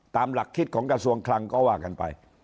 ตามหลักคิดของกระทรวงคลังก็ว่ากันไป